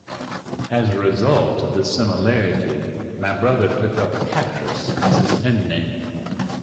As a result of this similarity, my brother took up 'Patras' as his pen-name.